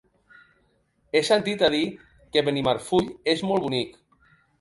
He sentit a dir que Benimarfull és molt bonic.